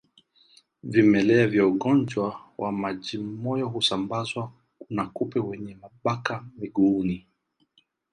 Vimelea vya ugonjwa wa majimoyo husambazwa na kupe wenye mabaka miguuni